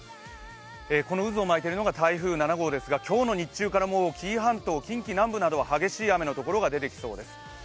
この渦を巻いているのが台風７号ですけれども今日の日中から紀伊半島、近畿南部などは激しい雨の所が出てきそうです。